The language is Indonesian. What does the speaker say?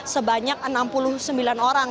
sebanyak enam puluh sembilan orang